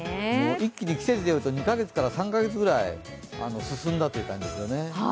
一気に季節でいうと２カ月から３カ月ぐらい進んだという感じですよね。